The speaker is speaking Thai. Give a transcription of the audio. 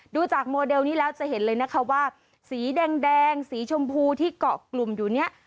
ดูจากโมเดลนี้แล้วจะเห็นเลยนะคะว่าสีแดงสีชมพูที่เกาะกลุ่มอยู่เนี่ย